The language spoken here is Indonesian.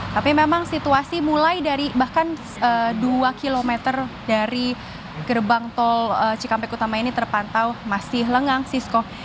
tapi memang situasi mulai dari bahkan dua km dari gerbang tol cikampek utama ini terpantau masih lengang sisko